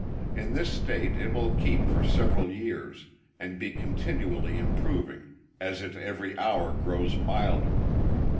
In this state it will keep for several years, and be continually improving, as it every hour grows milder.